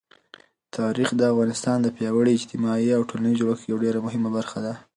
تاریخ د افغانستان د پیاوړي اجتماعي او ټولنیز جوړښت یوه ډېره مهمه برخه ده.